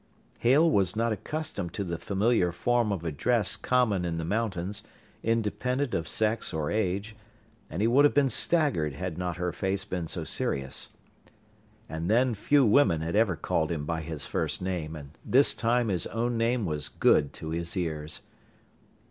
Hale was not accustomed to the familiar form of address common in the mountains, independent of sex or age and he would have been staggered had not her face been so serious. And then few women had ever called him by his first name, and this time his own name was good to his ears.